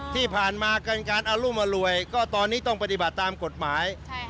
ที่ผ่านมาการอรุมอร่วยก็ตอนนี้ต้องปฏิบัติตามกฎหมาย